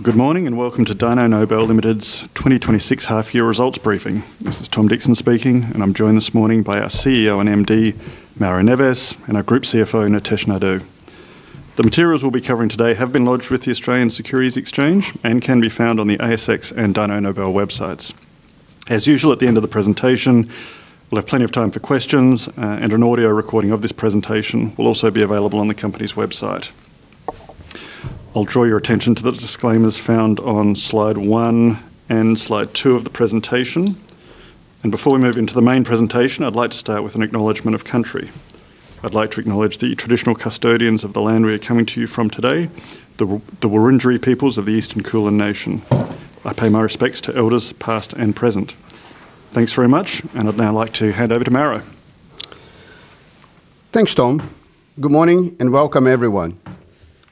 Good morning, and welcome to Dyno Nobel Limited's 2026 half year results briefing. This is Tom Dixon speaking, and I'm joined this morning by our CEO and MD, Mauro Neves, and our Group CFO, Nitesh Naidoo. The materials we'll be covering today have been lodged with the Australian Securities Exchange and can be found on the ASX and Dyno Nobel websites. As usual, at the end of the presentation, we'll have plenty of time for questions, and an audio recording of this presentation will also be available on the company's website. I'll draw your attention to the disclaimers found on slide one and slide two of the presentation. Before we move into the main presentation, I'd like to start with an acknowledgment of country. I'd like to acknowledge the traditional custodians of the land we are coming to you from today, the Wurundjeri peoples of the Eastern Kulin Nation. I pay my respects to elders, past and present. Thanks very much. I'd now like to hand over to Mauro. Thanks, Tom. Good morning, welcome everyone.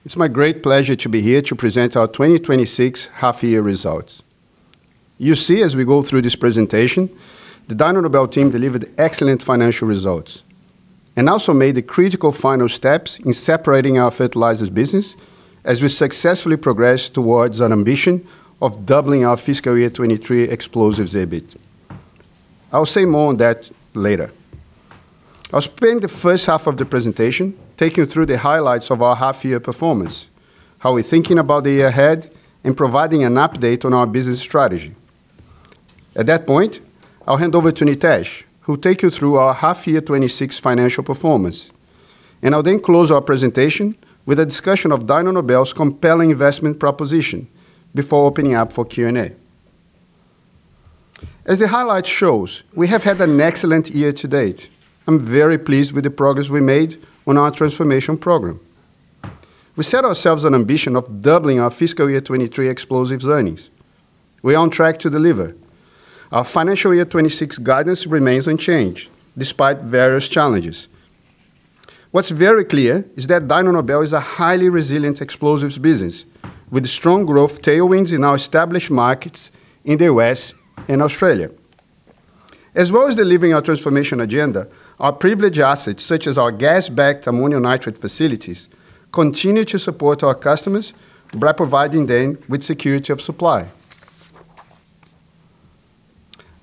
It's my great pleasure to be here to present our 2026 half year results. You see as we go through this presentation, the Dyno Nobel team delivered excellent financial results and also made the critical final steps in separating our fertilizers business as we successfully progress towards an ambition of doubling our fiscal year 2023 explosives EBIT. I'll say more on that later. I'll spend the first half of the presentation taking you through the highlights of our half year performance, how we're thinking about the year ahead and providing an update on our business strategy. At that point, I'll hand over to Nitesh, who'll take you through our half year 2026 financial performance, I'll then close our presentation with a discussion of Dyno Nobel's compelling investment proposition before opening up for Q&A. As the highlight shows, we have had an excellent year-to-date. I'm very pleased with the progress we made on our transformation program. We set ourselves an ambition of doubling our FY 2023 explosives earnings. We're on track to deliver. Our [financial year] 2026 guidance remains unchanged despite various challenges. What's very clear is that Dyno Nobel is a highly resilient explosives business with strong growth tailwinds in our established markets in the U.S. and Australia. As well as delivering our transformation agenda, our privileged assets, such as our gas-backed ammonium nitrate facilities, continue to support our customers by providing them with security of supply.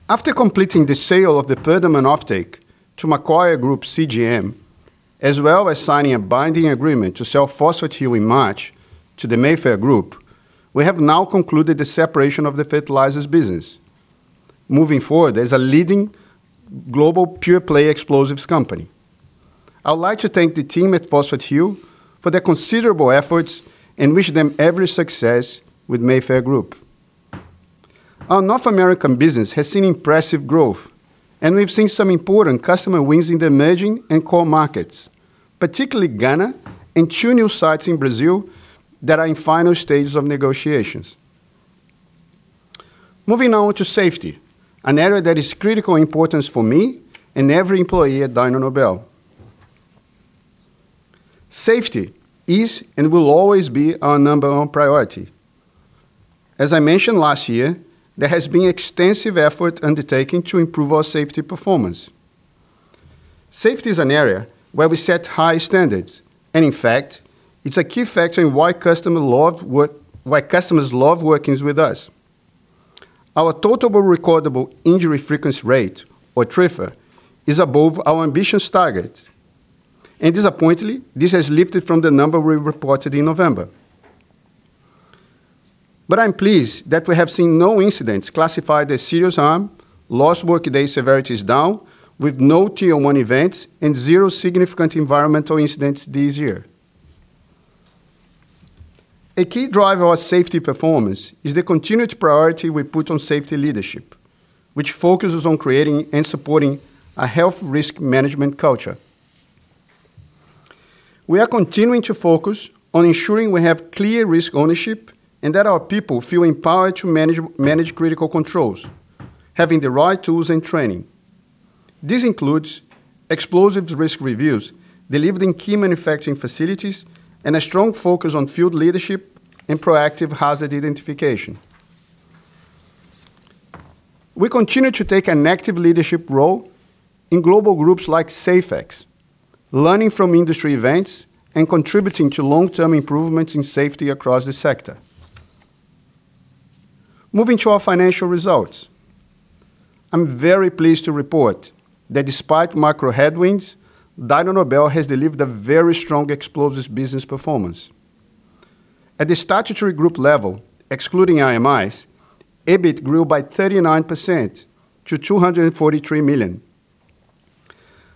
After completing the sale of the Perdaman offtake to Macquarie Group, CGM, as well as signing a binding agreement to sell Phosphate Hill in March to the Mayfair Australia Corporation, we have now concluded the separation of the fertilizers business, moving forward as a leading global pure play explosives company. I would like to thank the team at Phosphate Hill for their considerable efforts and wish them every success with Mayfair Australia Corporation. Our North American business has seen impressive growth, and we've seen some important customer wins in the emerging and core markets, particularly Ghana and two new sites in Brazil that are in final stages of negotiations. Moving on to safety, an area that is critical importance for me and every employee at Dyno Nobel. Safety is and will always be our number one priority. As I mentioned last year, there has been extensive effort undertaken to improve our safety performance. Safety is an area where we set high standards, and in fact, it's a key factor in why customers love workings with us. Our total recordable injury frequency rate, or TRIFR, is above our ambitious target. Disappointingly, this has lifted from the number we reported in November. I'm pleased that we have seen no incidents classified as serious harm, lost workday severity is down, with no tier one events and zero significant environmental incidents this year. A key driver of our safety performance is the continued priority we put on safety leadership, which focuses on creating and supporting a health risk management culture. We are continuing to focus on ensuring we have clear risk ownership and that our people feel empowered to manage critical controls, having the right tools and training. This includes explosives risk reviews delivered in key manufacturing facilities and a strong focus on field leadership and proactive hazard identification. We continue to take an active leadership role in global groups like SAFEX, learning from industry events and contributing to long-term improvements in safety across the sector. Moving to our financial results. I'm very pleased to report that despite macro headwinds, Dyno Nobel has delivered a very strong explosives business performance. At the statutory group level, excluding IMIs, EBIT grew by 39% to 243 million.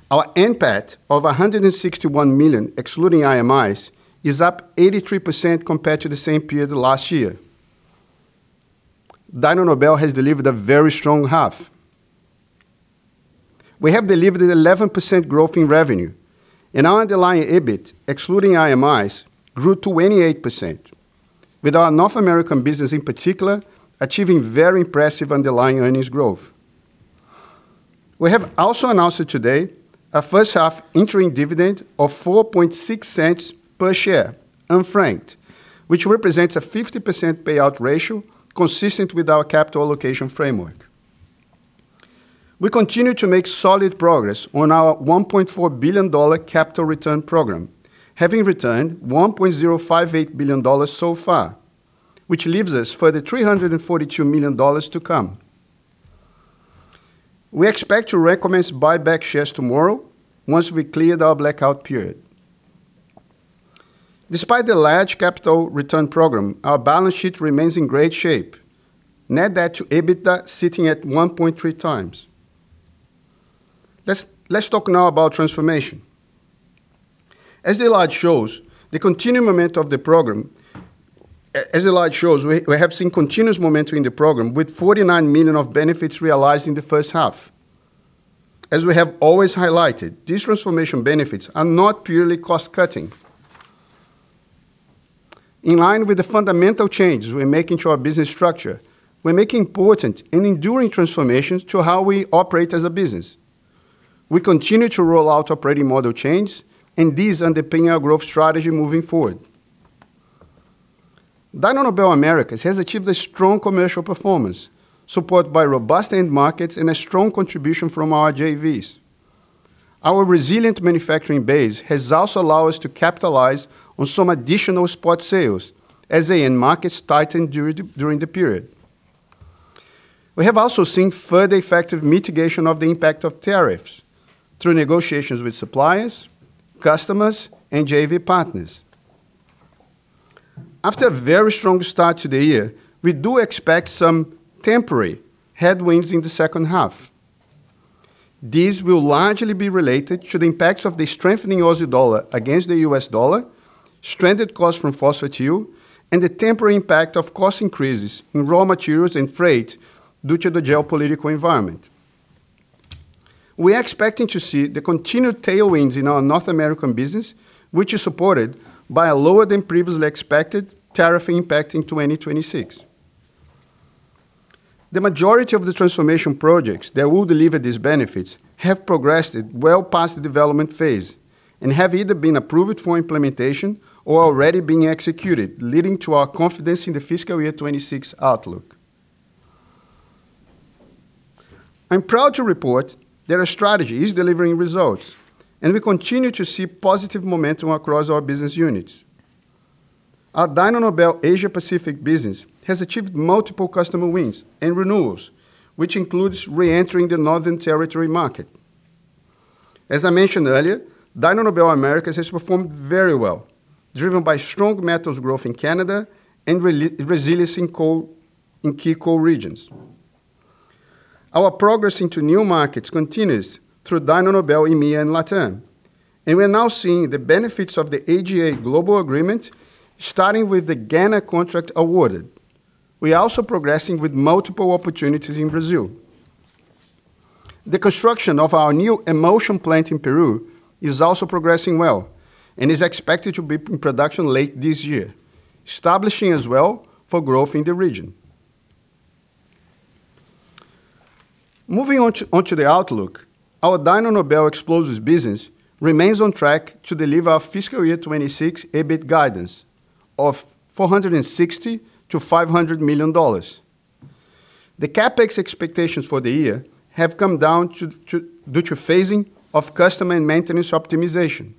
Our NPAT of 161 million, excluding IMIs, is up 83% compared to the same period last year. Dyno Nobel has delivered a very strong half. We have delivered 11% growth in revenue. Our underlying EBIT, excluding IMIs, grew 28%, with our North American business in particular achieving very impressive underlying earnings growth. We have also announced today a first-half interim dividend of 4.6 per share unfranked, which represents a 50% payout ratio consistent with our capital allocation framework. We continue to make solid progress on our 1.4 billion dollar capital return program, having returned 1.058 billion dollars so far, which leaves us further 342 million dollars to come. We expect to recommend to buy back shares tomorrow once we cleared our blackout period. Despite the large capital return program, our balance sheet remains in great shape. Net debt-to-EBITDA sitting at 1.3x. Let's talk now about transformation. As the slide shows, we have seen continuous momentum in the program with 49 million of benefits realized in the first half. As we have always highlighted, these transformation benefits are not purely cost cutting. In line with the fundamental changes we are making to our business structure, we are making important and enduring transformations to how we operate as a business. We continue to roll out operating model change. These underpin our growth strategy moving forward. Dyno Nobel Americas has achieved a strong commercial performance, supported by robust end markets and a strong contribution from our JVs. Our resilient manufacturing base has also allowed us to capitalize on some additional spot sales as the end markets tightened during the period. We have also seen further effective mitigation of the impact of tariffs through negotiations with suppliers, customers, and JV partners. After a very strong start to the year, we do expect some temporary headwinds in the second half. These will largely be related to the impacts of the strengthening Aussie dollar against the U.S. dollar, stranded costs from Phosphate Hill, and the temporary impact of cost increases in raw materials and freight due to the geopolitical environment. We are expecting to see the continued tailwinds in our North American business, which is supported by a lower than previously expected tariff impact in 2026. The majority of the transformation projects that will deliver these benefits have progressed well past the development phase and have either been approved for implementation or are already being executed, leading to our confidence in the fiscal year 2026 outlook. I'm proud to report that our strategy is delivering results, and we continue to see positive momentum across our business units. Our Dyno Nobel Asia Pacific business has achieved multiple customer wins and renewals, which includes reentering the Northern Territory market. As I mentioned earlier, Dyno Nobel Americas has performed very well, driven by strong metals growth in Canada and re-resilience in coal, in key coal regions. Our progress into new markets continues through Dyno Nobel EMEA & LATAM, and we are now seeing the benefits of the AGA global agreement starting with the Ghana contract awarded. We are also progressing with multiple opportunities in Brazil. The construction of our new Emulsion plant in Peru is also progressing well and is expected to be in production late this year, establishing as well for growth in the region. Moving on to the outlook, our Dyno Nobel Explosives business remains on track to deliver our fiscal year 2026 EBIT guidance of 460 million-500 million dollars. The CapEx expectations for the year have come down due to phasing of customer and maintenance optimization.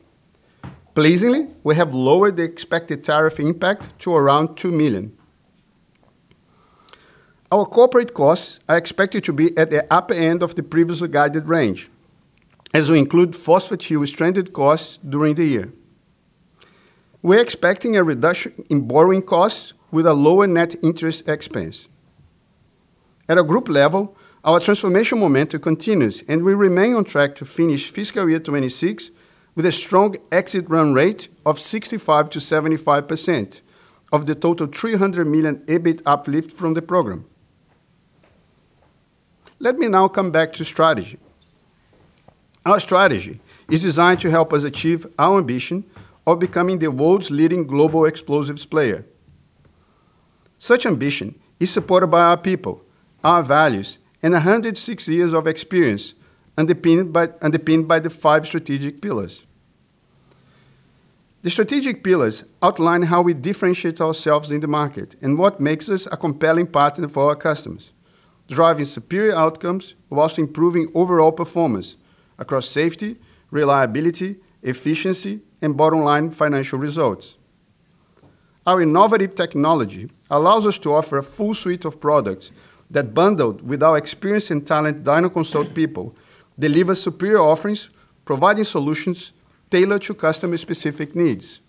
Pleasingly, we have lowered the expected tariff impact to around 2 million. Our corporate costs are expected to be at the upper end of the previously guided range as we include Phosphate Hill stranded costs during the year. We are expecting a reduction in borrowing costs with a lower net interest expense. At a group level, our transformation momentum continues, and we remain on track to finish fiscal year 2026 with a strong exit run rate of 65%-75% of the total 300 million EBIT uplift from the program. Let me now come back to strategy. Our strategy is designed to help us achieve our ambition of becoming the world's leading global explosives player. Such ambition is supported by our people, our values, and 106 years of experience underpinned by the five strategic pillars. The strategic pillars outline how we differentiate ourselves in the market and what makes us a compelling partner for our customers, driving superior outcomes whilst improving overall performance across safety, reliability, efficiency, and bottom-line financial results. Our innovative technology allows us to offer a full suite of products that, bundled with our experienced and talented DynoConsult people, deliver superior offerings, providing solutions tailored to customer specific needs.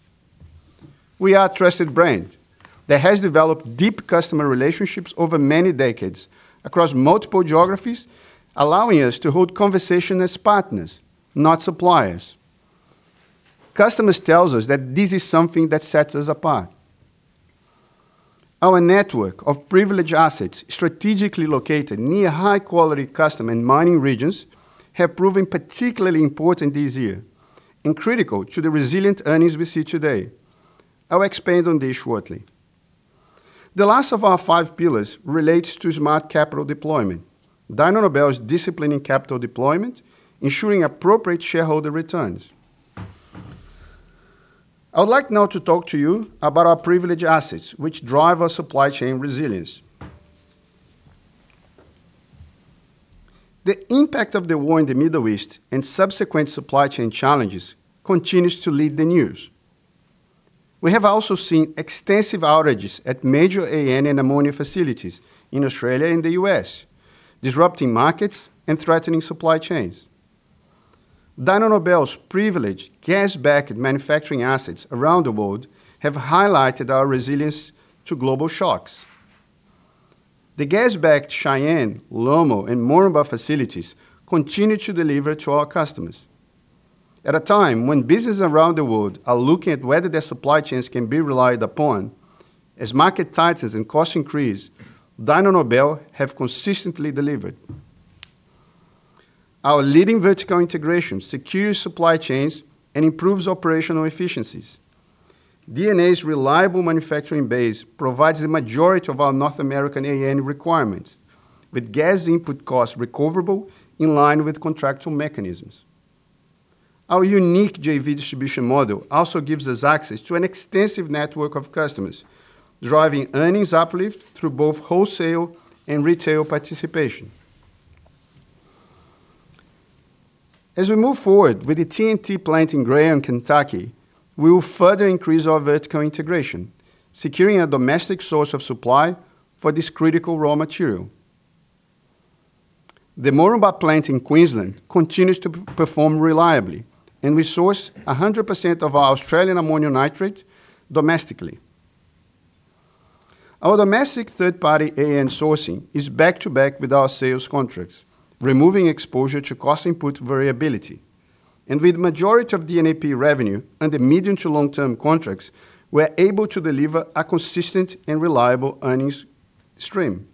We are a trusted brand that has developed deep customer relationships over many decades across multiple geographies, allowing us to hold conversation as partners, not suppliers. Customers tells us that this is something that sets us apart. Our network of privileged assets strategically located near high-quality customer and mining regions have proven particularly important this year and critical to the resilient earnings we see today. I'll expand on this shortly. The last of our five pillars relates to smart capital deployment. Dyno Nobel is disciplined in capital deployment, ensuring appropriate shareholder returns. I would like now to talk to you about our privileged assets, which drive our supply chain resilience. The impact of the war in the Middle East and subsequent supply chain challenges continues to lead the news. We have also seen extensive outages at major AN and ammonia facilities in Australia and the U.S., disrupting markets and threatening supply chains. Dyno Nobel's privileged gas-backed manufacturing assets around the world have highlighted our resilience to global shocks. The gas-backed Cheyenne, Lomo, and Moranbah facilities continue to deliver to our customers. At a time when businesses around the world are looking at whether their supply chains can be relied upon, as market tightens and costs increase, Dyno Nobel have consistently delivered. Our leading vertical integration secures supply chains and improves operational efficiencies. DNA's reliable manufacturing base provides the majority of our North American AN requirements, with gas input costs recoverable in line with contractual mechanisms. Our unique JV distribution model also gives us access to an extensive network of customers, driving earnings uplift through both wholesale and retail participation. As we move forward with the TNT plant in Grayson, Kentucky, we will further increase our vertical integration, securing a domestic source of supply for this critical raw material. The Moranbah plant in Queensland continues to perform reliably, and we source 100% of our Australian ammonium nitrate domestically. Our domestic third-party AN sourcing is back-to-back with our sales contracts, removing exposure to cost input variability. With majority of DNAP revenue under medium to long term contracts, we're able to deliver a consistent and reliable earnings stream.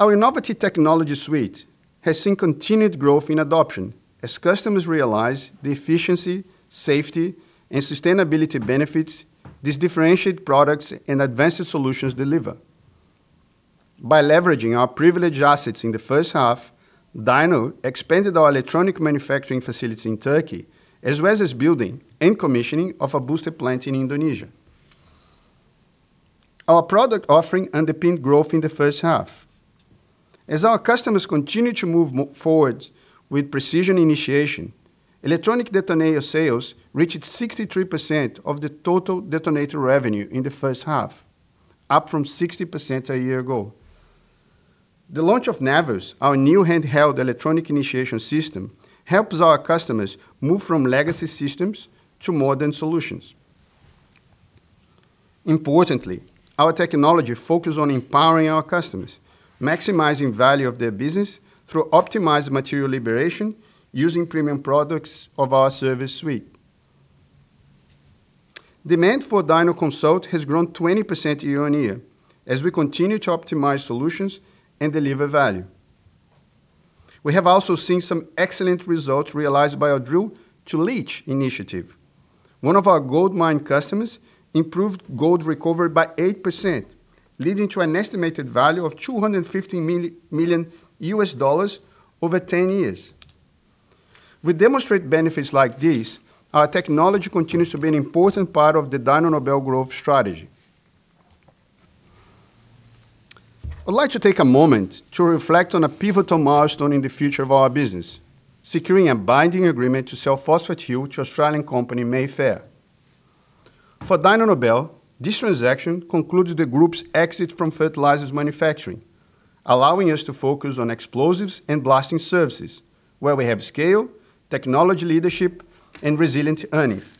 Our innovative technology suite has seen continued growth in adoption as customers realize the efficiency, safety, and sustainability benefits these differentiated products and advanced solutions deliver. By leveraging our privileged assets in the first half, Dyno expanded our electronic manufacturing facility in Turkey, as well as building and commissioning of a booster plant in Indonesia. Our product offering underpinned growth in the first half. As our customers continue to move forward with precision initiation, electronic detonator sales reached 63% of the total detonator revenue in the first half, up from 60% a year ago. The launch of Navus, our new handheld electronic electronic initiation system, helps our customers move from legacy systems to modern solutions. Importantly, our technology focus on empowering our customers, maximizing value of their business through optimized material liberation using premium products of our service suite. Demand for DynoConsult has grown 20% year-over-year as we continue to optimize solutions and deliver value. We have also seen some excellent results realized by our Drill to Leach initiative. One of our goldmine customers improved gold recovery by 8%, leading to an estimated value of $250 million over 10 years. With demonstrated benefits like this, our technology continues to be an important part of the Dyno Nobel growth strategy. I'd like to take a moment to reflect on a pivotal milestone in the future of our business, securing a binding agreement to sell Phosphate Hill to Australian company Mayfair. For Dyno Nobel, this transaction concludes the group's exit from fertilizers manufacturing, allowing us to focus on explosives and blasting services, where we have scale, technology leadership, and resilient earnings.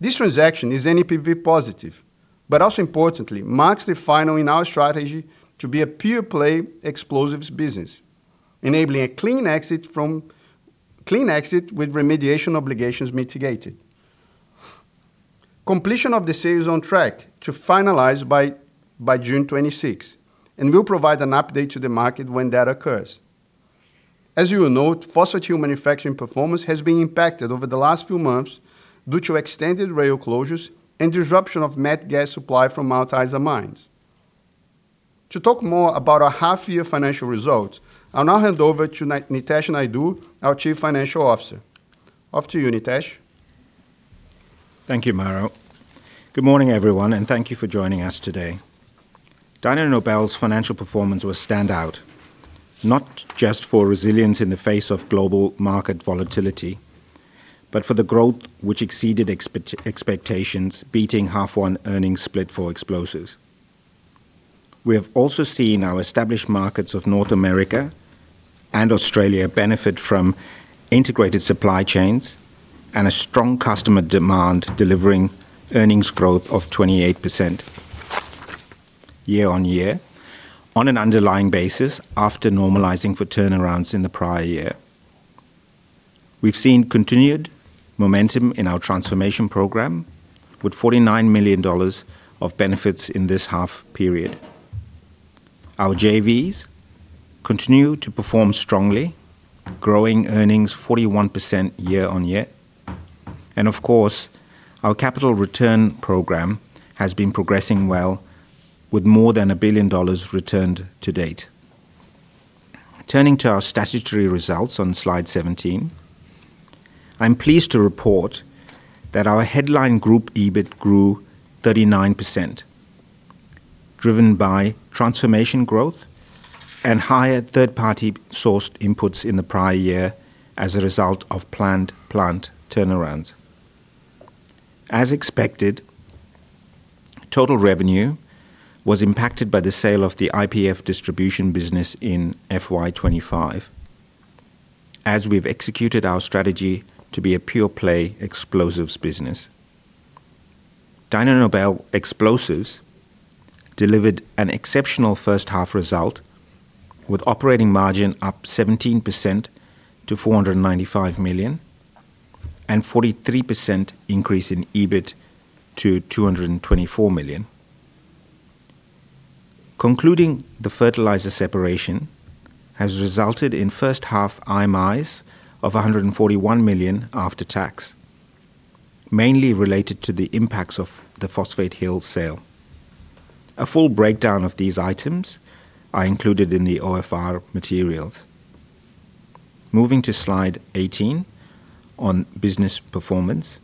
This transaction is NPV positive. Importantly, it marks the final in our strategy to be a pure play explosives business, enabling a clean exit with remediation obligations mitigated. Completion of the sale is on track to finalize by June 26. We'll provide an update to the market when that occurs. As you will note, phosphate manufacturing performance has been impacted over the last few months due to extended rail closures and disruption of metallurgical gas supply from Mt. Isa mines. To talk more about our half-year financial results, I'll now hand over to Nitesh Naidoo, our Chief Financial Officer. Off to you, Nitesh. Thank you, Mauro. Good morning, everyone, and thank you for joining us today. Dyno Nobel's financial performance was standout, not just for resilience in the face of global market volatility, but for the growth which exceeded expectations, beating half-one earnings split for explosives. We have also seen our established markets of North America and Australia benefit from integrated supply chains and a strong customer demand, delivering earnings growth of 28% year-on-year on an underlying basis after normalizing for turnarounds in the prior year. We've seen continued momentum in our Transformation Program with 49 million dollars of benefits in this half period. Our JVs continue to perform strongly, growing earnings 41% year-on-year. Of course, our capital return program has been progressing well with more than 1 billion dollars returned to date. Turning to our statutory results on slide 17, I'm pleased to report that our headline group EBIT grew 39%, driven by transformation growth and higher third-party sourced inputs in the prior year as a result of planned plant turnarounds. As expected, total revenue was impacted by the sale of the IPF distribution business in FY 2025 as we've executed our strategy to be a pure-play explosives business. Dyno Nobel Explosives delivered an exceptional first half result with operating margin up 17% to 495 million and 43% increase in EBIT to 224 million. Concluding the fertilizer separation has resulted in first half IMIs of 141 million after tax, mainly related to the impacts of the Phosphate Hill sale. A full breakdown of these items are included in the OFR materials. Moving to slide 18 on business performance.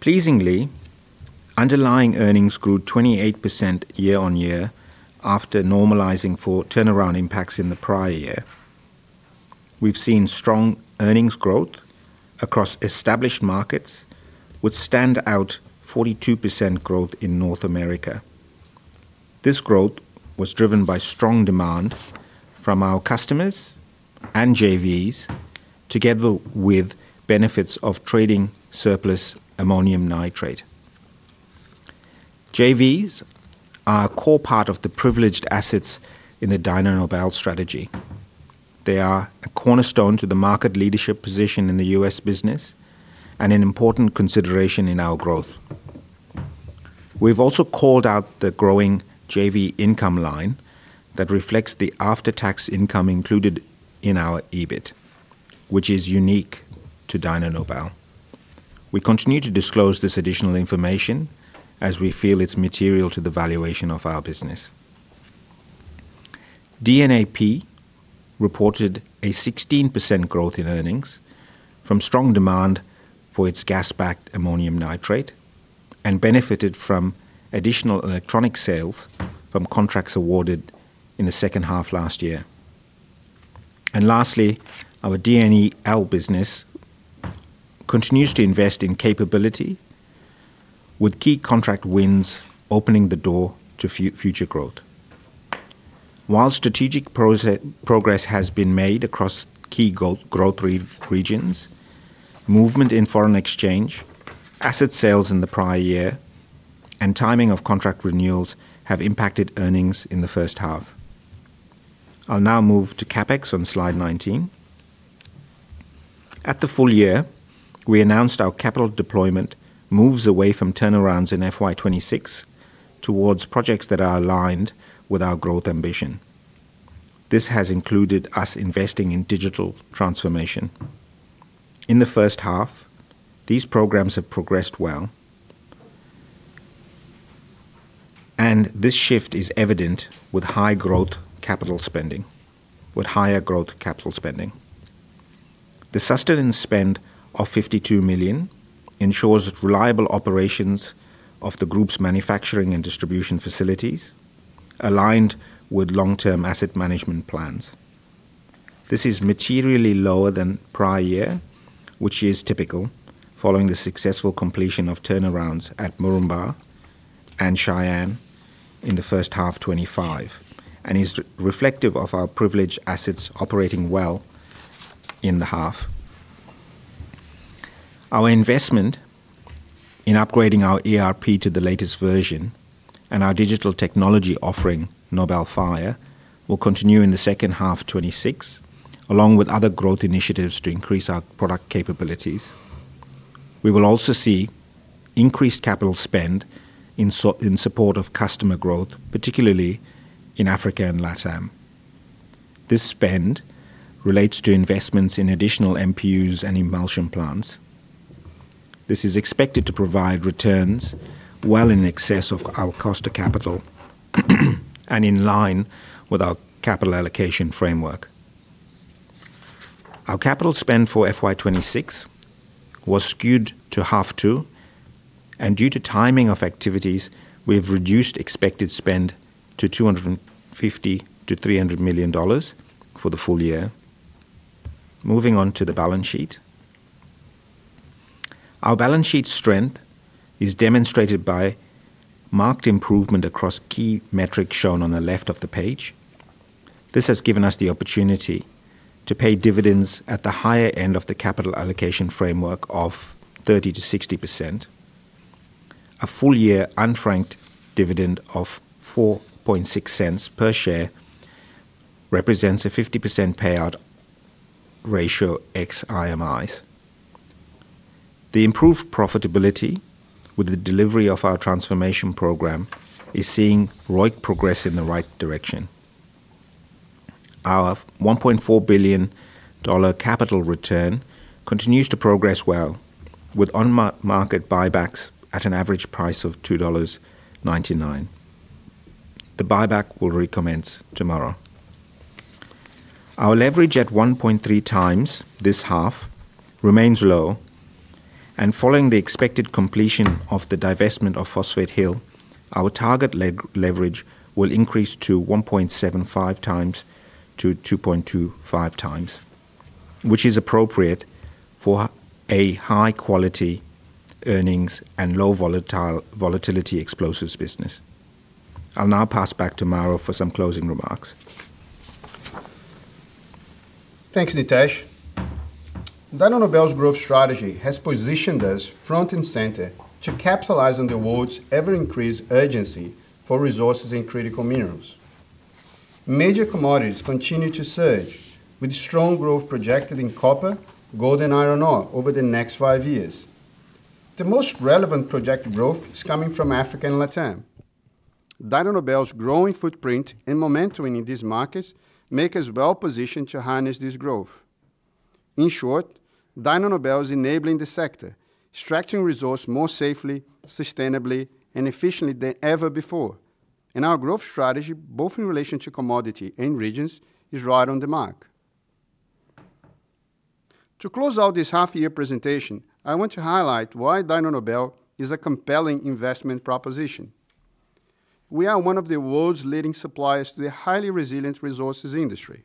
Pleasingly, underlying earnings grew 28% year-on-year after normalizing for turnaround impacts in the prior year. We've seen strong earnings growth across established markets, with stand out 42% growth in North America. This growth was driven by strong demand from our customers and JVs together with benefits of trading surplus ammonium nitrate. JVs are a core part of the privileged assets in the Dyno Nobel strategy. They are a cornerstone to the market leadership position in the U.S. business and an important consideration in our growth. We've also called out the growing JV income line that reflects the after-tax income included in our EBIT, which is unique to Dyno Nobel. We continue to disclose this additional information as we feel it's material to the valuation of our business. DNAP reported a 16% growth in earnings from strong demand for its gas-backed ammonium nitrate and benefited from additional electronic sales from contracts awarded in the second half last year. Lastly, our DNEL business continues to invest in capability with key contract wins opening the door to future growth. While strategic progress has been made across key growth regions, movement in foreign exchange, asset sales in the prior year, and timing of contract renewals have impacted earnings in the first half. I'll now move to CapEx on slide 19. At the full year, we announced our capital deployment moves away from turnarounds in FY 2026 towards projects that are aligned with our growth ambition. This has included us investing in digital transformation. In the first half, these programs have progressed well. This shift is evident with higher growth capital spending. The sustenance spend of 52 million ensures reliable operations of the group's manufacturing and distribution facilities aligned with long-term asset management plans. This is materially lower than prior year, which is typical following the successful completion of turnarounds at Moranbah and Cheyenne in the first half 2025 and is reflective of our privileged assets operating well in the half. Our investment in upgrading our ERP to the latest version and our digital technology offering, Nobel Fire, will continue in the second half 2026, along with other growth initiatives to increase our product capabilities. We will also see increased capital spend in support of customer growth, particularly in Africa and LATAM. This spend relates to investments in additional MPUs and Emulsion plants. This is expected to provide returns well in excess of our cost of capital and in line with our capital allocation framework. Our CapEx for FY 2026 was skewed to half two, due to timing of activities, we've reduced expected spend to 250 million-300 million dollars for the full year. Moving on to the balance sheet. Our balance sheet strength is demonstrated by marked improvement across key metrics shown on the left of the page. This has given us the opportunity to pay dividends at the higher end of the capital allocation framework of 30%-60%. A full-year unfranked dividend of 4.6 per share represents a 50% payout ratio ex IMIs. The improved profitability with the delivery of our transformation program is seeing ROIC progress in the right direction. Our 1.4 billion dollar capital return continues to progress well with on-market buybacks at an average price of 2.99 dollars. The buyback will recommence tomorrow. Our leverage at 1.3x this half remains low. Following the expected completion of the divestment of Phosphate Hill, our target leverage will increase to 1.75x to 2.25x, which is appropriate for a high quality earnings and low volatility explosives business. I'll now pass back to Mauro for some closing remarks. Thanks, Nitesh. Dyno Nobel's growth strategy has positioned us front and center to capitalize on the world's ever-increased urgency for resources and critical minerals. Major commodities continue to surge with strong growth projected in copper, gold, and iron ore over the next five years. The most relevant projected growth is coming from Africa and LATAM. Dyno Nobel's growing footprint and momentum in these markets make us well-positioned to harness this growth. In short, Dyno Nobel is enabling the sector, extracting resource more safely, sustainably, and efficiently than ever before. Our growth strategy, both in relation to commodity and regions, is right on the mark. To close out this half year presentation, I want to highlight why Dyno Nobel is a compelling investment proposition. We are one of the world's leading suppliers to the highly resilient resources industry.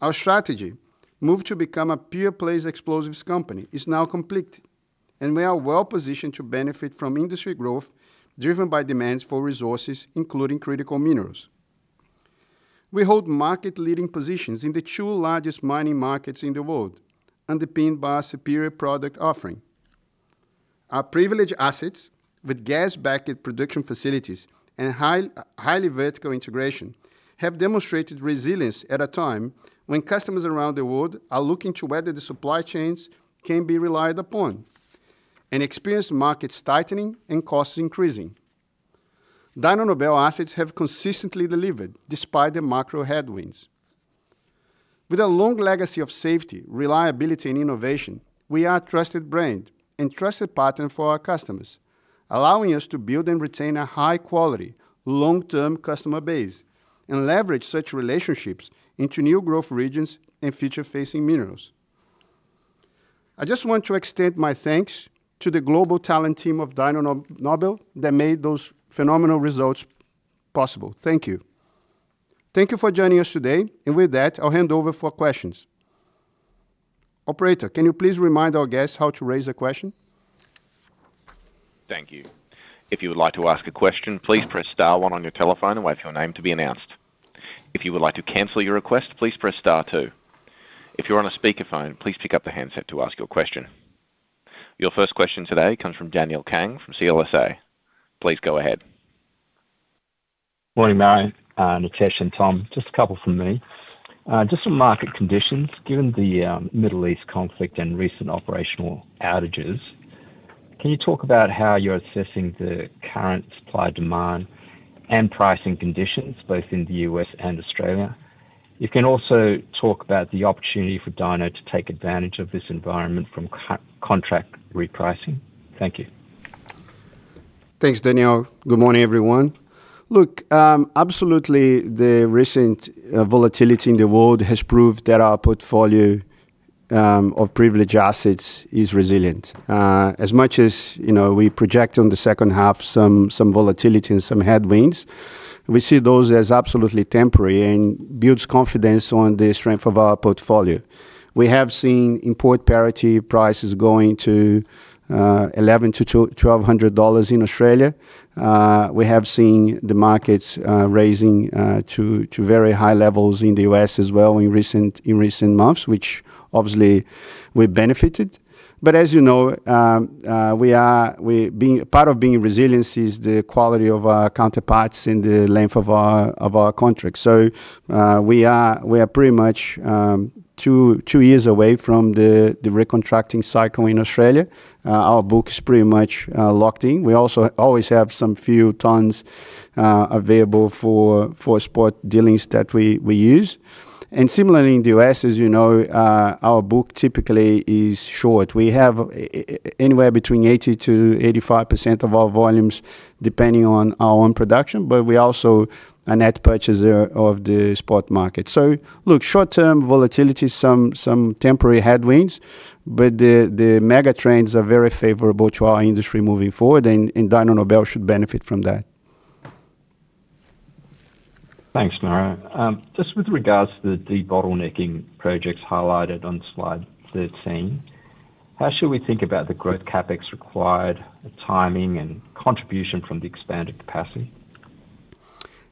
Our strategy, move to become a pure-play explosives company, is now complete, and we are well-positioned to benefit from industry growth driven by demands for resources, including critical minerals. We hold market-leading positions in the two largest mining markets in the world, underpinned by a superior product offering. Our privileged assets with gas-backed production facilities and highly vertical integration have demonstrated resilience at a time when customers around the world are looking to whether the supply chains can be relied upon and experienced markets tightening and costs increasing. Dyno Nobel assets have consistently delivered despite the macro headwinds. With a long legacy of safety, reliability, and innovation, we are a trusted brand and trusted partner for our customers, allowing us to build and retain a high-quality, long-term customer base and leverage such relationships into new growth regions and future-facing minerals. I just want to extend my thanks to the global talent team of Dyno Nobel that made those phenomenal results possible. Thank you. Thank you for joining us today. With that, I'll hand over for questions. Operator, can you please remind our guests how to raise a question? Thank you. If you would like to ask a question, please press star one on your telephone and wait for your name to be announced. If you would like to cancel your request, please press star two. If your on a speakerphone, please pick up the handset to ask your question. Your first question today comes from Daniel Kang from CLSA. Please go ahead. Morning, Mauro, Nitesh, and Tom. Just a couple from me. Just some market conditions. Given the Middle East conflict and recent operational outages, can you talk about how you're assessing the current supply-demand and pricing conditions both in the U.S. and Australia? You can also talk about the opportunity for Dyno to take advantage of this environment from contract repricing. Thank you. Thanks, Daniel. Good morning, everyone. Absolutely the recent volatility in the world has proved that our portfolio of privileged assets is resilient. As much as, you know, we project on the second half some volatility and some headwinds, we see those as absolutely temporary and builds confidence on the strength of our portfolio. We have seen import parity prices going to 1,100-1,200 dollars in Australia. We have seen the markets raising to very high levels in the U.S. as well in recent months, which obviously we benefited. As you know, part of being resilient is the quality of our counterparts and the length of our contracts. We are pretty much two years away from the recontracting cycle in Australia. Our book is pretty much locked in. We also always have some few tons available for spot dealings that we use. Similarly in the U.S., as you know, our book typically is short. We have anywhere between 80%-85% of our volumes depending on our own production, but we're also a net purchaser of the spot market. Look, short-term volatility, some temporary headwinds, but the mega trends are very favorable to our industry moving forward and Dyno Nobel should benefit from that. Thanks, Mauro. Just with regards to the [debottlenecking] projects highlighted on slide 13, how should we think about the growth CapEx required, the timing, and contribution from the expanded capacity?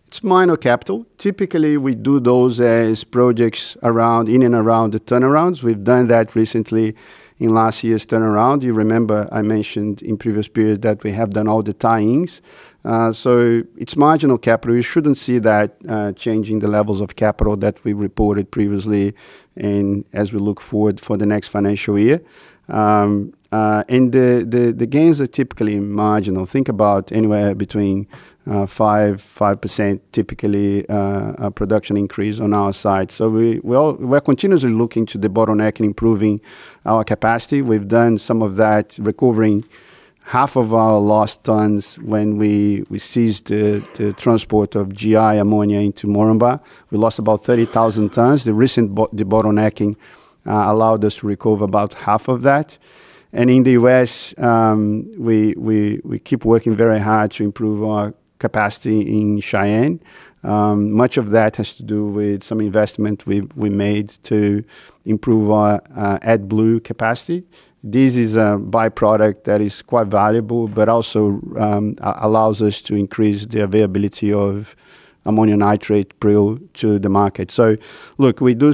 It's minor capital. Typically, we do those as projects around, in and around the turnarounds. We've done that recently in last year's turnaround. You remember I mentioned in previous period that we have done all the tie-ins. It's marginal capital. You shouldn't see that changing the levels of capital that we reported previously and as we look forward for the next financial year. The gains are typically marginal. Think about anywhere between 5% typically, a production increase on our side. We're continuously looking to the [debottleneck] and improving our capacity. We've done some of that recovering. Half of our lost tonnes when we ceased the transport of GI ammonia into Moranbah, we lost about 30,000 tonnes. The recent [debottlenecking] allowed us to recover about half of that. In the U.S., we keep working very hard to improve our capacity in Cheyenne. Much of that has to do with some investment we made to improve our AdBlue capacity. This is a by-product that is quite valuable, but also allows us to increase the availability of ammonium nitrate prill to the market. Look, we do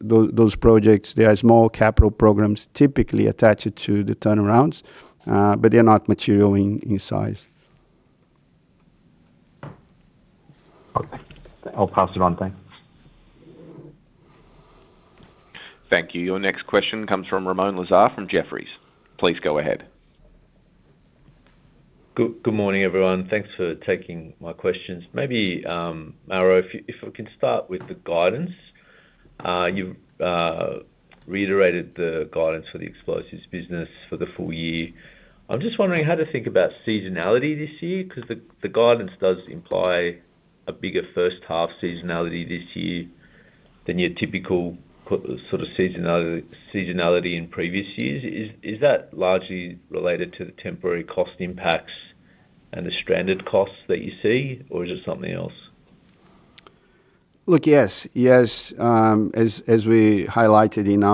those projects, they are small capital programs typically attached to the turnarounds, but they are not material in size. Okay. I'll pass it on. Thanks. Thank you. Your next question comes from Ramoun Lazar from Jefferies. Please go ahead. Good morning, everyone. Thanks for taking my questions. Maybe Mauro, if we can start with the guidance. You've reiterated the guidance for the explosives business for the full year. I'm just wondering how to think about seasonality this year, 'cause the guidance does imply a bigger first half seasonality this year than your typical sort of seasonality in previous years. Is that largely related to the temporary cost impacts and the stranded costs that you see, or is it something else? Look, yes. Yes, as we highlighted in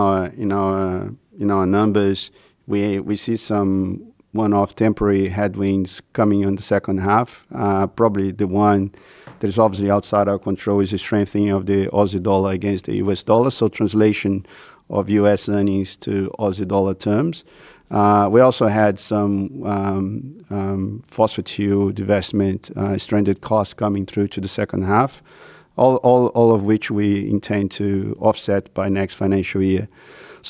our numbers, we see some one-off temporary headwinds coming in the second half. Probably the one that is obviously outside our control is the strengthening of the Australian dollar against the U.S. dollar, so translation of U.S. earnings to Australian dollar terms. We also had some Phosphate Hill divestment stranded costs coming through to the second half, all of which we intend to offset by next financial year.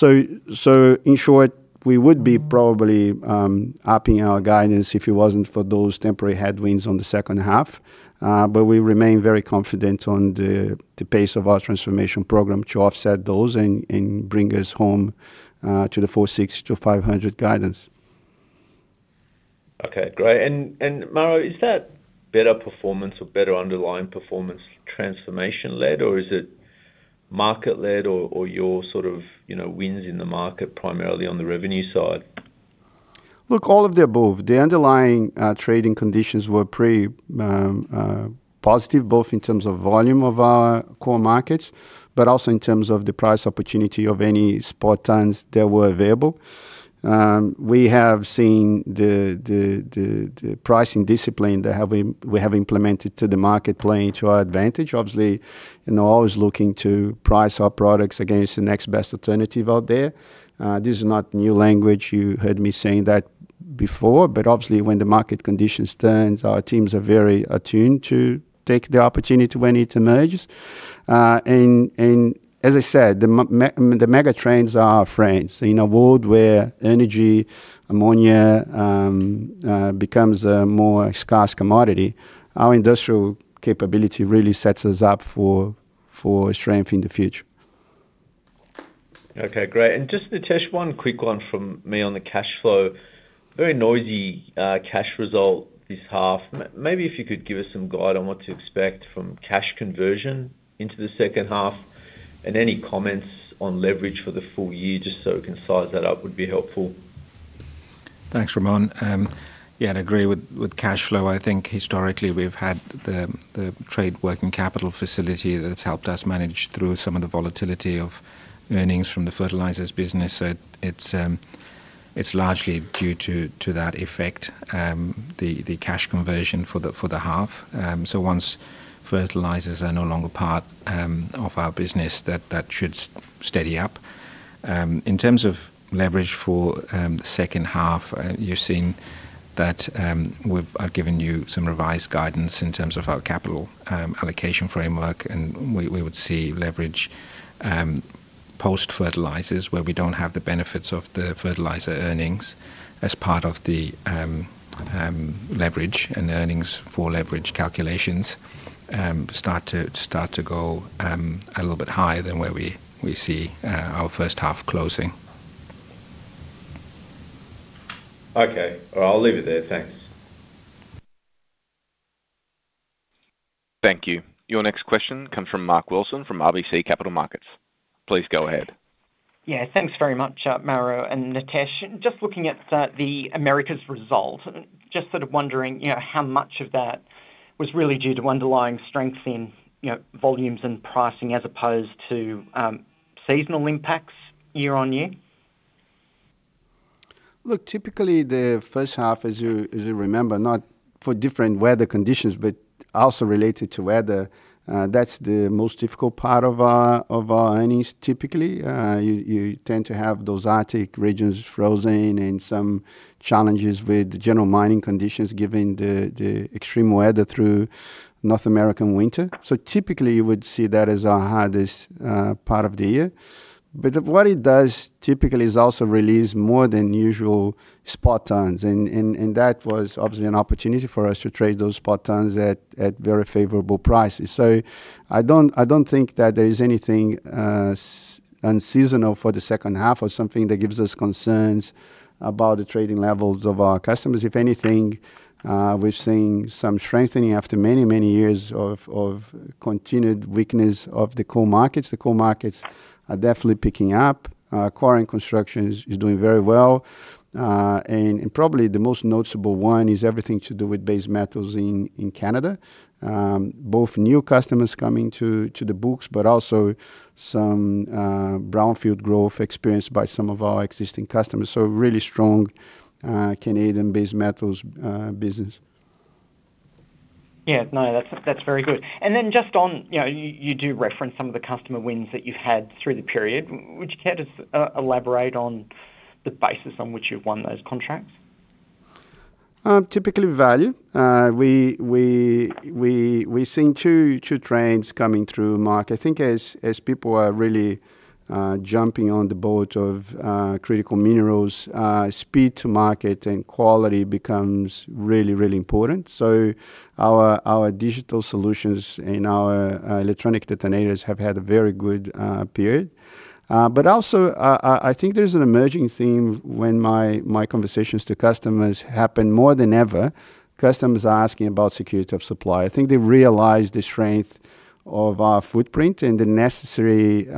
In short, we would be probably upping our guidance if it wasn't for those temporary headwinds on the second half. We remain very confident on the pace of our transformation program to offset those and bring us home to the 460 million-500 million guidance. Okay, great. Mauro, is that better performance or better underlying performance transformation-led, or is it market-led or your sort of, you know, wins in the market primarily on the revenue side? Look, all of the above. The underlying trading conditions were pretty positive, both in terms of volume of our core markets, but also in terms of the price opportunity of any spot tonnes that were available. We have seen the pricing discipline that we have implemented to the market playing to our advantage. Obviously, you know, always looking to price our products against the next best alternative out there. This is not new language. You heard me saying that before. Obviously, when the market conditions turns, our teams are very attuned to take the opportunity when it emerges. As I said, I mean, the mega trends are our friends. In a world where energy, ammonia, becomes a more scarce commodity, our industrial capability really sets us up for strength in the future. Okay, great. Just Nitesh, one quick one from me on the cash flow. Very noisy, cash result this half. Maybe if you could give us some guide on what to expect from cash conversion into the second half, and any comments on leverage for the full year, just so we can size that up, would be helpful. Thanks, Ramoun. Yeah, Agree with cash flow. I think historically we've had the trade working capital facility that's helped us manage through some of the volatility of earnings from the fertilizers business. It's largely due to that effect, the cash conversion for the half. Once fertilizers are no longer part of our business, that should steady up. In terms of leverage for the second half, you've seen that I've given you some revised guidance in terms of our capital allocation framework, and we would see leverage post-fertilizers where we don't have the benefits of the fertilizer earnings as part of the leverage and earnings for leverage calculations, start to go a little bit higher than where we see our first half closing. Okay. Well, I'll leave it there. Thanks. Thank you. Your next question comes from Mark Wilson from RBC Capital Markets. Please go ahead. Yeah. Thanks very much, Mauro and Nitesh. Just looking at the Americas result, just sort of wondering, you know, how much of that was really due to underlying strength in, you know, volumes and pricing as opposed to seasonal impacts year-on-year? Look, typically the first half, as you remember, also related to weather, that's the most difficult part of our earnings typically. You tend to have those Arctic regions frozen and some challenges with the general mining conditions given the extreme weather through North American winter. Typically you would see that as our hardest part of the year. What it does typically is also release more than usual spot tons. That was obviously an opportunity for us to trade those spot tons at very favorable prices. I don't think that there is anything unseasonal for the second half or something that gives us concerns about the trading levels of our customers. If anything, we're seeing some strengthening after many years of continued weakness of the coal markets. The coal markets are definitely picking up. Quarry and construction is doing very well. Probably the most noticeable one is everything to do with base metals in Canada. Both new customers coming to the books, but also some brownfield growth experienced by some of our existing customers. Really strong Canadian base metals business. Yeah. No, that's very good. Just on, you know, you do reference some of the customer wins that you've had through the period. Would you care to elaborate on the basis on which you've won those contracts? Typically value. We're seeing two trends coming through, Mark. I think as people are really jumping on the boat of critical minerals, speed to market and quality becomes really important. Our digital solutions and our electronic detonators have had a very good period. Also I think there's an emerging theme when my conversations to customers happen more than ever, customers are asking about security of supply. I think they've realized the strength of our footprint and the necessary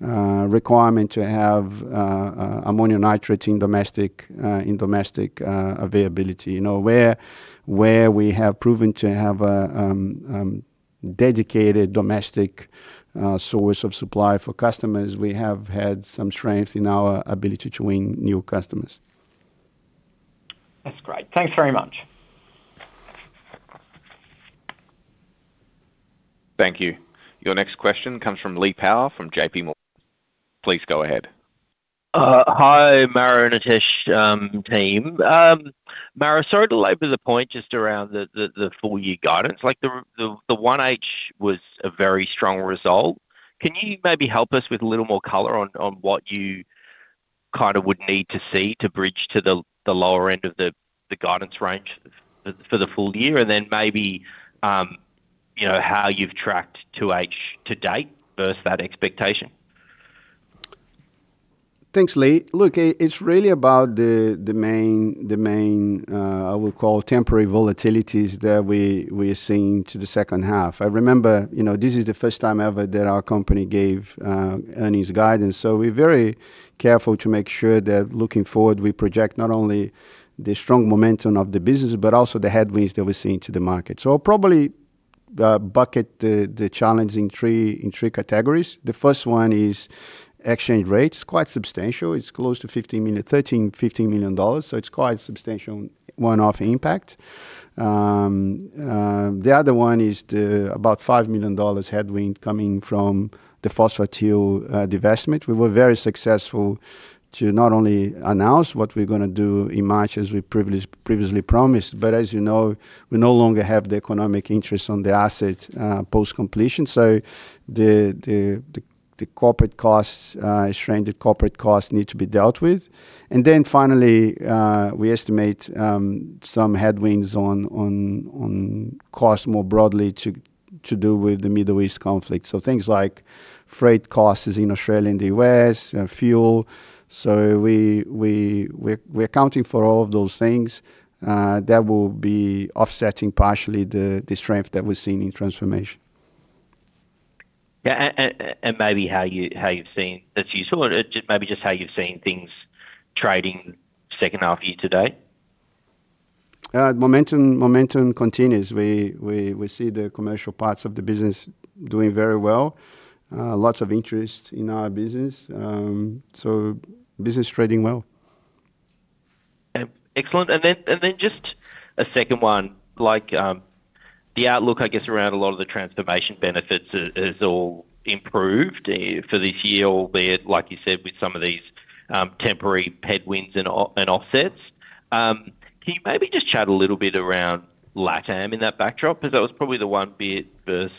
requirement to have ammonium nitrate in domestic in domestic availability. You know, where we have proven to have a dedicated domestic source of supply for customers, we have had some strength in our ability to win new customers. That's great. Thanks very much. Thank you. Your next question comes from Lee Power from JPMorgan. Please go ahead. Hi, Mauro and Nitesh, team. Mauro, sorry to labor the point just around the full year guidance. The 1H was a very strong result. Can you maybe help us with a little more color on what you kind of would need to see to bridge to the lower end of the guidance range for the full year? Then maybe, you know, how you've tracked 2H to date versus that expectation? Thanks, Lee. Look, it's really about the main, the main temporary volatilities that we are seeing to the second half. I remember, you know, this is the first time ever that our company gave earnings guidance. We're very careful to make sure that looking forward we project not only the strong momentum of the business, but also the headwinds that we're seeing to the market. I'll probably bucket the challenge in three categories. The first one is exchange rates, quite substantial. It's close to 13 million-15 million. It's quite substantial one-off impact. The other one is the about 5 million dollars headwind coming from the Phosphate Hill divestment. We were very successful to not only announce what we're gonna do in March as we previously promised, but as you know, we no longer have the economic interest on the asset, post-completion. The corporate costs, stranded corporate costs need to be dealt with. Finally, we estimate some headwinds on cost more broadly to do with the Middle East conflict, things like freight costs in Australia and the U.S., fuel. We're accounting for all of those things that will be offsetting partially the strength that we're seeing in transformation. Yeah. Maybe how you've seen that's useful or maybe just how you've seen things trading second half year-to-date? Momentum continues. We see the commercial parts of the business doing very well. Lots of interest in our business. Business trading well. Excellent. Just a second one, the outlook I guess around a lot of the transformation benefits has all improved for this year, albeit, like you said, with some of these temporary headwinds and offsets. Can you maybe just chat a little bit around LATAM in that backdrop? That was probably the one bit versus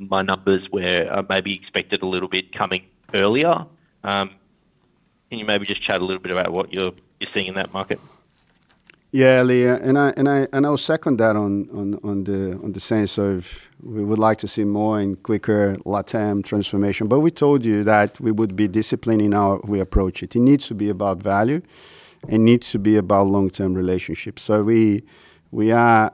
my numbers where I maybe expected a little bit coming earlier. Can you maybe just chat a little bit about what you're seeing in that market? Yeah, Lee. I'll second that on the sense of we would like to see more and quicker LATAM transformation. We told you that we would be disciplined in how we approach it. It needs to be about value, and needs to be about long-term relationships. We are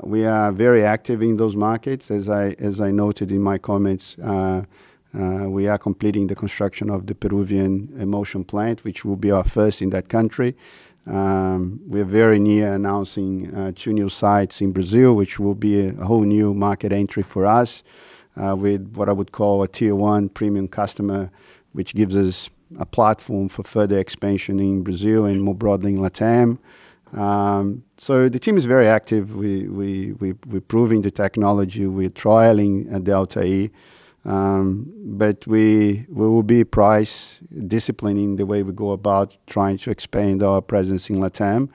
very active in those markets. As I noted in my comments, we are completing the construction of the Peruvian emulsion plant, which will be our first in that country. We're very near announcing two new sites in Brazil, which will be a whole new market entry for us with what I would call a tier one premium customer, which gives us a platform for further expansion in Brazil and more broadly in LATAM. The team is very active. We're proving the technology. We're trialing a ΔE. We will be price disciplining the way we go about trying to expand our presence in LATAM.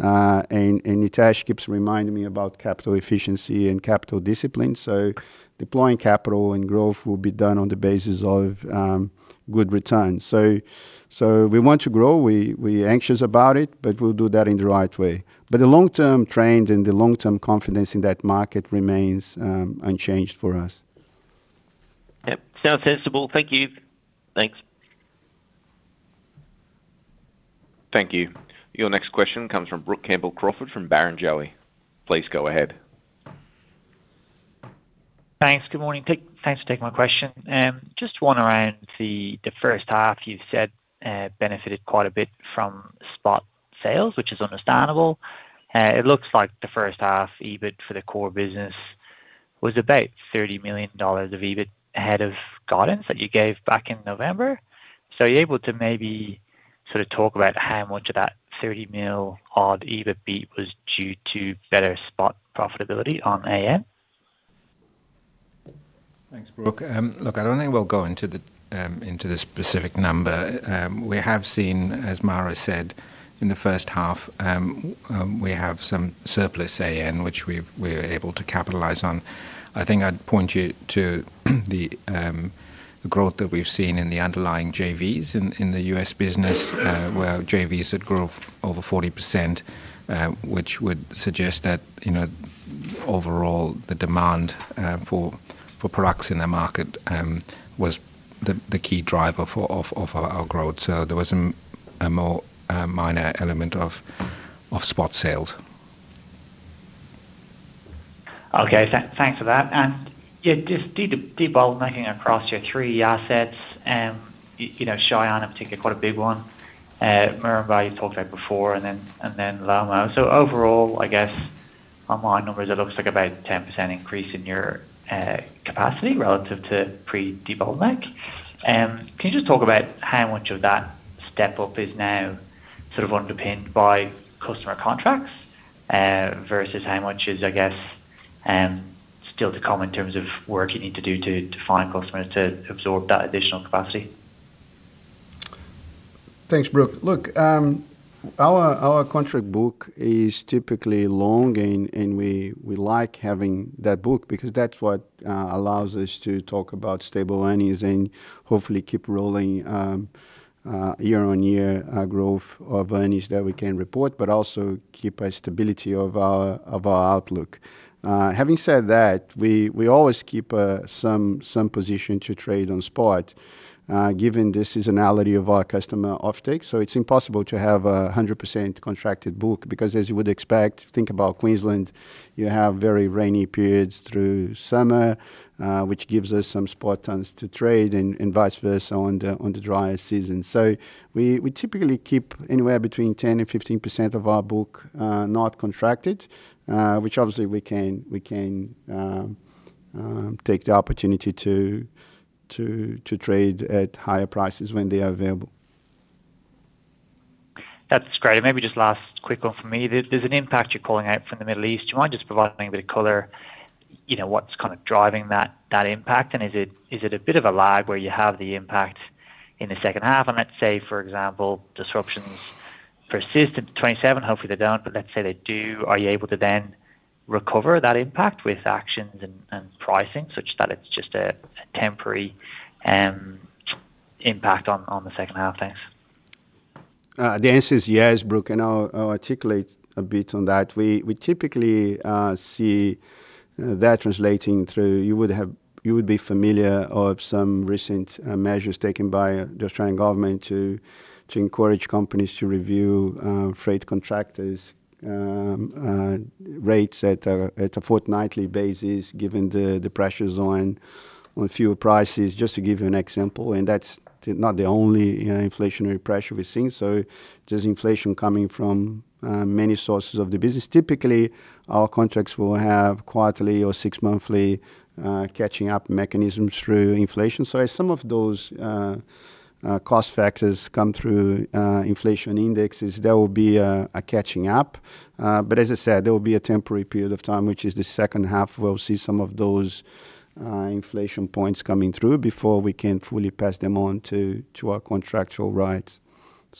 Nitesh keeps reminding me about capital efficiency and capital discipline. Deploying capital and growth will be done on the basis of good returns. We want to grow. We're anxious about it, but we'll do that in the right way. The long-term trend and the long-term confidence in that market remains unchanged for us. Yep. Sounds sensible. Thank you. Thanks. Thank you. Your next question comes from Brooke Campbell-Crawford from Barrenjoey. Please go ahead. Thanks. Good morning. Thanks for taking my question. Just one around the first half. You've said benefited quite a bit from spot sales, which is understandable. It looks like the first half EBIT for the core business was about 30 million dollars of EBIT ahead of guidance that you gave back in November. Are you able to maybe sort of talk about how much of that 30 million odd EBIT beat was due to better spot profitability on AN? Thanks, Brooke. Look, I don't think we'll go into the specific number. We have seen, as Mauro said, in the first half, we have some surplus AN which we're able to capitalize on. I think I'd point you to the growth that we've seen in the underlying JVs in the U.S. business, where JVs had growth over 40%, which would suggest that, you know, overall the demand for products in the market was the key driver for, of our growth. There was a more minor element of spot sales. Okay. Thanks for that. Yeah, just debottlenecking across your three assets, you know, Cheyenne in particular, quite a big one. Moranbah you talked about before, and then, and then [LOMO]. Overall, I guess, on my numbers it looks like about a 10% increase in your capacity relative to pre-bottleneck. Can you just talk about how much of that step up is now sort of underpinned by customer contracts, versus how much is, I guess, still to come in terms of work you need to do to find customers to absorb that additional capacity? Thanks, Brooke. Look, our contract book is typically long and we like having that book because that's what allows us to talk about stable earnings and hopefully keep rolling year-on-year growth of earnings that we can report, but also keep a stability of our outlook. Having said that, we always keep some position to trade on spot given the seasonality of our customer offtake. It's impossible to have 100% contracted book because, as you would expect, think about Queensland, you have very rainy periods through summer, which gives us some spot tends to trade and vice versa on the drier season. We typically keep anywhere between 10% and 15% of our book not contracted, which obviously we can take the opportunity to trade at higher prices when they are available. That's great. Maybe just last quick one from me. There's an impact you're calling out from the Middle East. Do you mind just providing a bit of color, you know, what's kind of driving that impact? Is it a bit of a lag where you have the impact in the second half? Let's say, for example, disruptions persist in 2027. Hopefully they don't, but let's say they do. Are you able to then recover that impact with actions and pricing such that it's just a temporary impact on the second half? Thanks. The answer is yes, Brooke, and I'll articulate a bit on that. We typically see that translating through you would be familiar of some recent measures taken by the Australian Government to encourage companies to review freight contractors rates at a fortnightly basis given the pressures on fuel prices, just to give you an example. That's not the only, you know, inflationary pressure we're seeing. There's inflation coming from many sources of the business. Typically, our contracts will have quarterly or six-monthly catching up mechanisms through inflation. As some of those cost factors come through inflation indexes, there will be a catching up. As I said, there will be a temporary period of time, which is the second half, we'll see some of those inflation points coming through before we can fully pass them on to our contractual rights.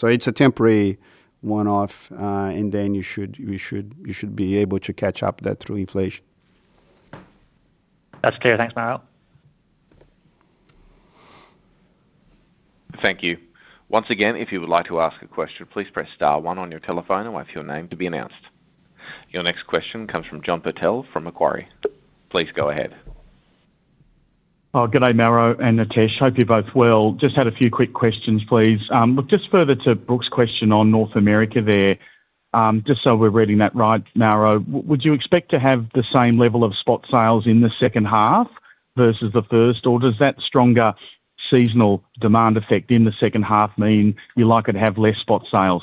It's a temporary one-off, and then you should be able to catch up that through inflation. That's clear. Thanks, Mauro. Thank you. Once again, if you would like to ask a question, please press star one on your telephone and wait for your name to be announced. Your next question comes from John Purtell from Macquarie. Please go ahead. Good day, Mauro and Nitesh. Hope you're both well. Just had a few quick questions, please. Look, just further to Brooke's question on North America there, just so we're reading that right, Mauro, would you expect to have the same level of spot sales in the second half versus the first? Does that stronger seasonal demand effect in the second half mean you're likely to have less spot sales?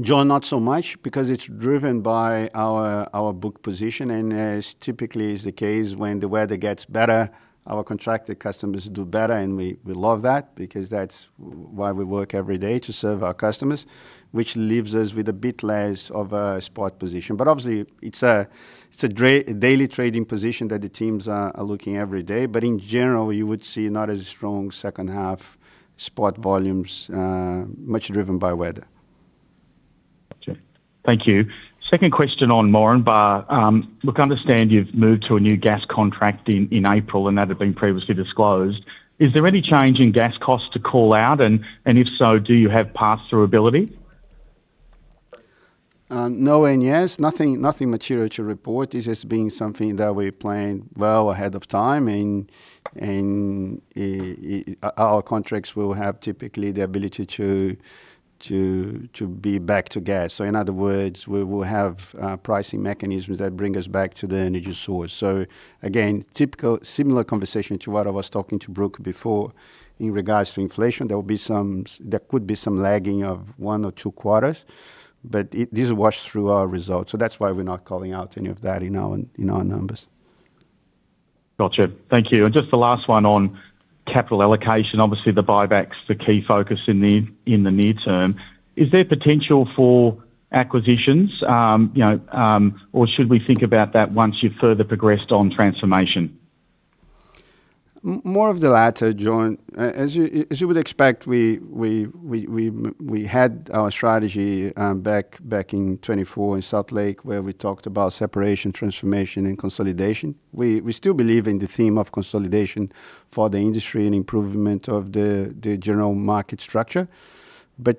John, not so much because it's driven by our book position. As typically is the case, when the weather gets better, our contracted customers do better and we love that because that's why we work every day to serve our customers, which leaves us with a bit less of a spot position. Obviously it's a daily trading position that the teams are looking every day. In general, you would see not as strong second half spot volumes, much driven by weather. Gotcha. Thank you. Second question on Moranbah. look, I understand you've moved to a new gas contract in April, and that had been previously disclosed. Is there any change in gas costs to call out? If so, do you have pass through ability? No and yes. Nothing, nothing material to report. This has been something that we planned well ahead of time, our contracts will have typically the ability to be back to gas. In other words, we will have pricing mechanisms that bring us back to the energy source. Again, typical similar conversation to what I was talking to Brooke before in regards to inflation. There will be some there could be some lagging of one or two quarters, but these will wash through our results. That's why we're not calling out any of that in our, in our numbers. Gotcha. Thank you. Just the last one on capital allocation. Obviously, the buyback's the key focus in the, in the near term. Is there potential for acquisitions? You know, or should we think about that once you've further progressed on transformation? More of the latter, John. As you would expect, we had our strategy back in 2024 in Salt Lake where we talked about separation, transformation, and consolidation. We still believe in the theme of consolidation for the industry and improvement of the general market structure.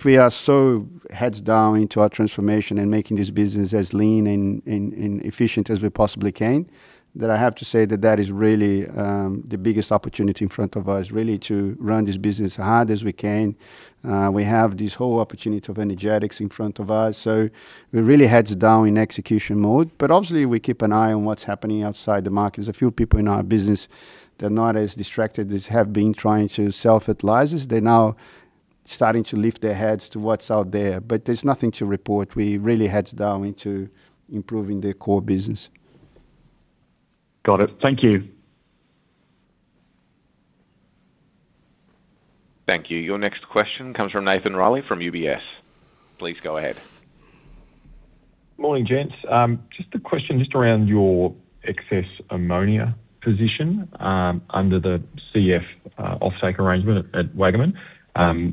We are so heads down into our transformation and making this business as lean and efficient as we possibly can, that I have to say that that is really the biggest opportunity in front of us, really to run this business as hard as we can. We have this whole opportunity of energetics in front of us, we're really heads down in execution mode. Obviously we keep an eye on what's happening outside the markets. A few people in our business, they're not as distracted as have been trying to [self-analyze] this. They're now starting to lift their heads to what's out there. There's nothing to report. We're really heads down into improving the core business. Got it. Thank you. Thank you. Your next question comes from Nathan Reilly from UBS. Please go ahead. Morning, gents. Just a question just around your excess ammonia position under the CF offtake arrangement at Waggaman. I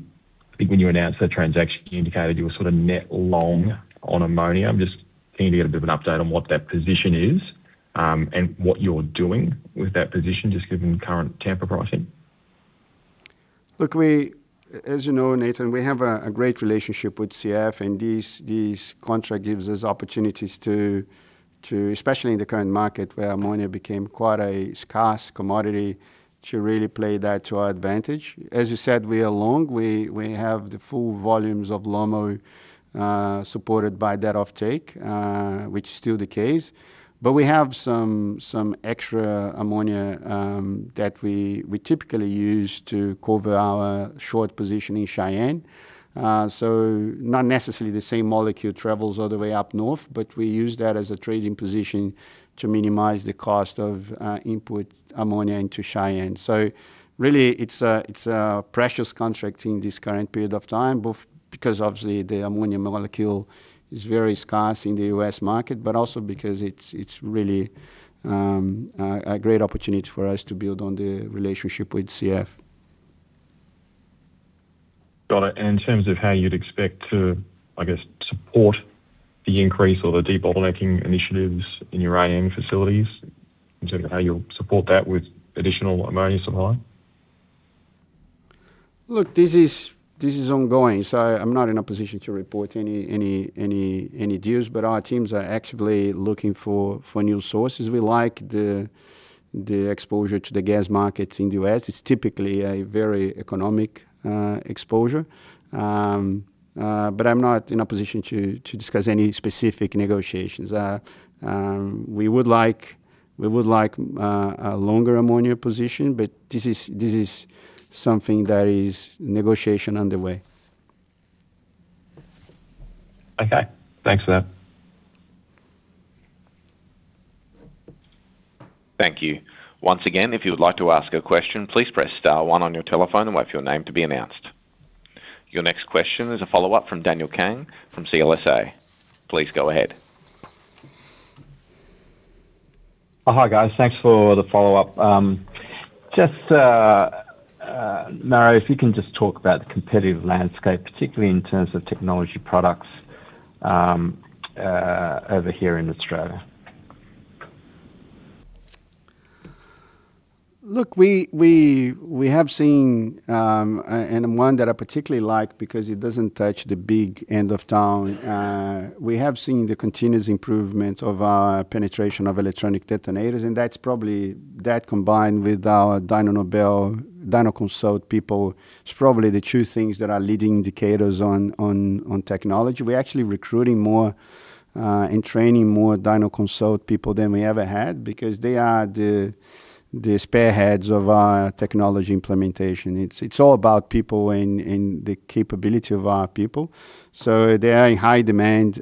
think when you announced that transaction, you indicated you were sort of net long on ammonia. I'm just keen to get a bit of an update on what that position is and what you're doing with that position, just given current Tampa pricing. As you know, Nathan, we have a great relationship with CF, and this contract gives us opportunities to, especially in the current market where ammonia became quite a scarce commodity, to really play that to our advantage. As you said, we are long. We have the full volumes of LOMO, supported by that offtake, which is still the case. We have some extra ammonia that we typically use to cover our short position in Cheyenne. Not necessarily the same molecule travels all the way up north, but we use that as a trading position to minimize the cost of input ammonia into Cheyenne. Really it's a precious contract in this current period of time both because obviously the ammonia molecule is very scarce in the U.S. market, but also because it's really a great opportunity for us to build on the relationship with CF. Got it. In terms of how you'd expect to, I guess, support the increase or the debottlenecking initiatives in your AM facilities, in terms of how you'll support that with additional ammonia supply? Look, this is ongoing, so I'm not in a position to report any deals, but our teams are actively looking for new sources. We like the exposure to the gas markets in U.S. It's typically a very economic exposure. I'm not in a position to discuss any specific negotiations. We would like a longer ammonia position, but this is something that is negotiation underway. Okay. Thanks for that. Thank you. Once again, if you would like to ask a question, please press star one on your telephone and wait for your name to be announced. Your next question is a follow-up from Daniel Kang from CLSA. Please go ahead. Oh, hi, guys. Thanks for the follow-up, Mauro, if you can just talk about the competitive landscape, particularly in terms of technology products, over here in Australia. Look, we have seen, and one that I particularly like because it doesn't touch the big end of town. We have seen the continuous improvement of our penetration of electronic detonators, and that's probably that combined with our Dyno Nobel, DynoConsult people, it's probably the two things that are leading indicators on technology. We're actually recruiting more and training more DynoConsult people than we ever had because they are the spearheads of our technology implementation. It's all about people and the capability of our people. They are in high demand.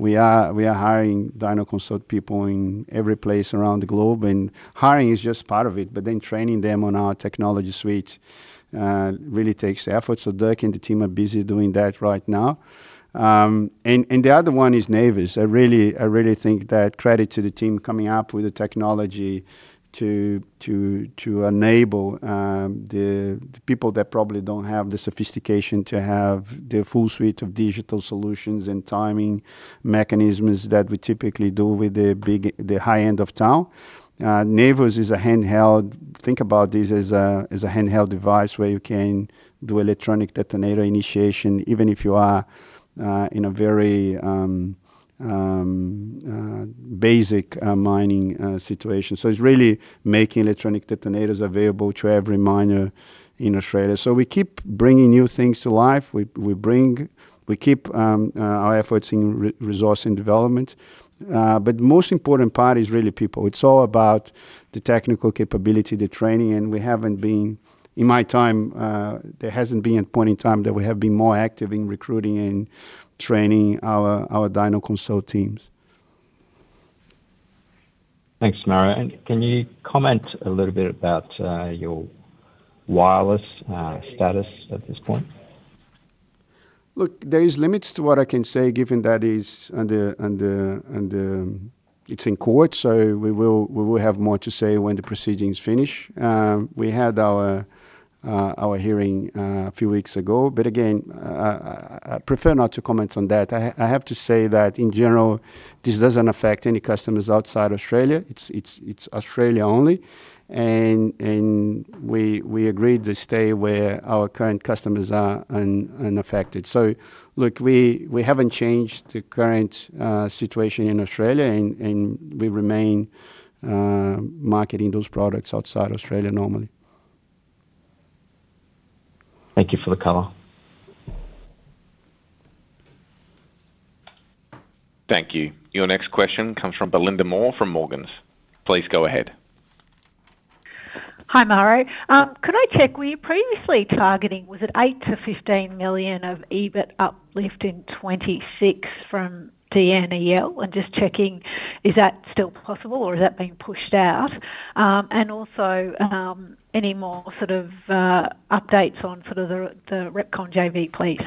We are hiring DynoConsult people in every place around the globe, and hiring is just part of it, but then training them on our technology suite really takes effort. Dirk and the team are busy doing that right now. The other one is Navus. I really, I really think that credit to the team coming up with the technology to enable the people that probably don't have the sophistication to have the full suite of digital solutions and timing mechanisms that we typically do with the high end of town. Navus is a handheld. Think about this as a handheld device where you can do electronic detonator initiation even if you are in a very basic mining situation. It's really making electronic detonators available to every miner in Australia. We keep bringing new things to life. We keep our efforts in resource and development. Most important part is really people. It's all about the technical capability, the training, and In my time, there hasn't been a point in time that we have been more active in recruiting and training our DynoConsult teams. Thanks, Mauro. Can you comment a little bit about your wireless status at this point? Look, there is limits to what I can say given that is under, it's in court, so we will have more to say when the proceedings finish. We had our hearing a few weeks ago. Again, I prefer not to comment on that. I have to say that in general, this doesn't affect any customers outside Australia. It's Australia only and we agreed to stay where our current customers are unaffected. Look, we haven't changed the current situation in Australia and we remain marketing those products outside Australia normally. Thank you for the color. Thank you. Your next question comes from Belinda Moore from Morgans. Please go ahead. Hi, Mauro. Could I check, were you previously targeting, was it 8 million-15 million of EBIT uplift in 2026 from DNEL? Just checking, is that still possible or has that been pushed out? Also, any more sort of updates on sort of the Repkon JV, please?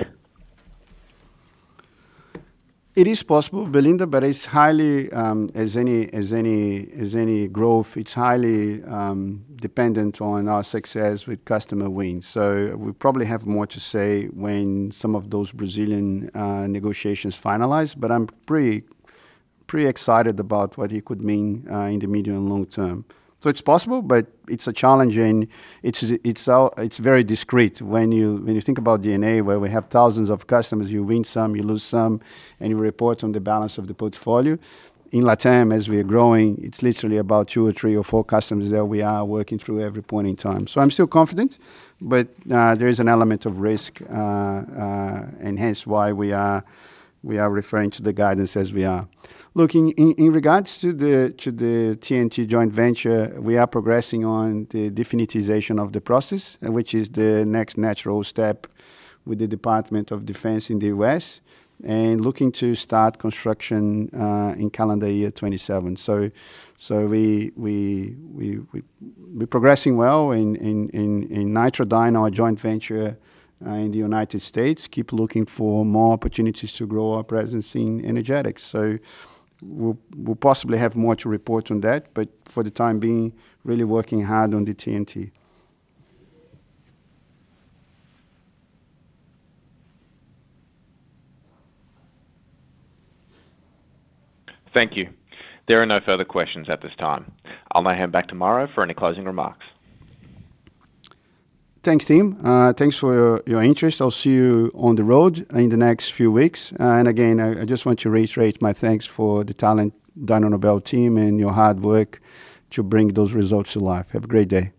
It is possible, Belinda, but it's highly, as any growth, it's highly dependent on our success with customer wins. We probably have more to say when some of those Brazilian negotiations finalize, but I'm pretty excited about what it could mean in the medium and long term. It's possible, but it's very discreet. When you think about DNA where we have thousands of customers, you win some, you lose some, and you report on the balance of the portfolio. In LATAM, as we are growing, it's literally about two or three or four customers that we are working through every point in time. I'm still confident, but there is an element of risk, and hence why we are referring to the guidance as we are. Look, in regards to the TNT joint venture, we are progressing on the definitization of the process, which is the next natural step with the Department of Defense in the U.S. and looking to start construction in calendar year 2027. We're progressing well in Nitradyn, our joint venture in the United States. Keep looking for more opportunities to grow our presence in energetics. We'll possibly have more to report on that. For the time being, really working hard on the TNT. Thank you. There are no further questions at this time. I'll now hand back to Mauro for any closing remarks. Thanks, team. Thanks for your interest. I'll see you on the road in the next few weeks. Again, I just want to reiterate my thanks for the talent Dyno Nobel team and your hard work to bring those results to life. Have a great day.